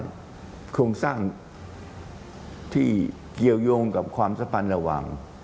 โครงสร้างที่เกี่ยวยงกับความสัมพันธ์ระหว่าง